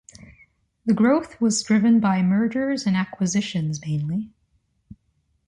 The growth was driven by mergers and acquisitions mainly.